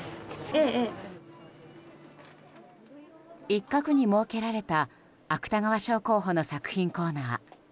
一角に設けられた芥川賞の作品コーナー。